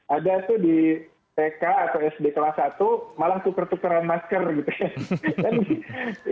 ada tuh di tk atau sd kelas satu malah tukar tukaran masker gitu ya